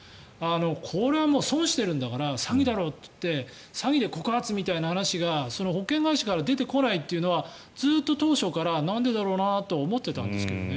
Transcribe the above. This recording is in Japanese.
これは損しているんだから詐欺だろっていって詐欺で告発みたいな話が保険会社から出てこないのはずっと当初からなんでだろうなと思ってたんですけどね。